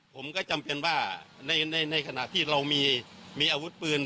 ผมก็จำเป็นว่าในขณะที่เรามีอาวุธปืน